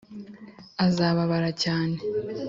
azababara cyane